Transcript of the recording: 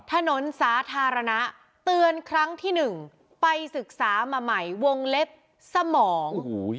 ถนนสาธารณะเตือนครั้งที่หนึ่งไปศึกษามาใหม่วงเล็บสมอง